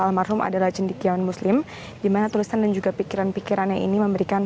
almarhum adalah cendikiawan muslim gimana tulisan dan juga pikiran pikiran yang ini memberikan